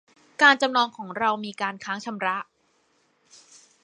การจำนองของเรามีการค้างชำระ